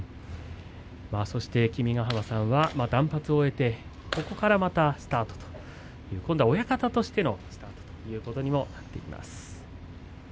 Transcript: そして君ヶ濱さんは断髪を終えてここからまたスタートという今度は親方としてのスタートということにもなってきます。